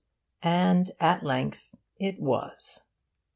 And, at length, it was.